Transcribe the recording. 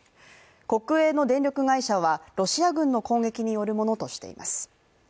国営の電力会社は、ロシア軍の攻撃によるものとしています。